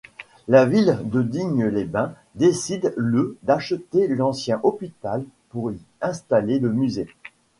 La ville de Digne-les-Bains décide le d'acheter l'ancien hôpital pour y installer le musée.